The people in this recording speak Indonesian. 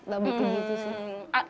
lebih ke gitu sih